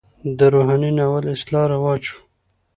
د روحاني ناول اصطلاح رواج شوه.